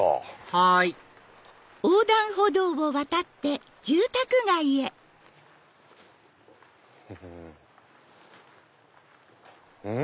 はいうん？